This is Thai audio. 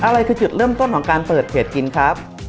อะไรคือจุดเริ่มต้นของการเปิดเพจกินครับ